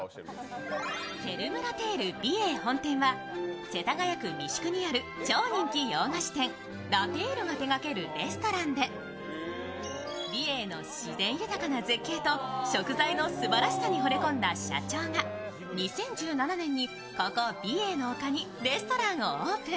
フェルムラ・テール美瑛本店は世田谷区三宿にある超人気洋菓子店、ラ・テールが手がけるレストランで美瑛の自然豊かな絶景と食材のすばらしさにほれ込んだ社長が２０１７年にここ、美瑛の丘にレストランをオープン。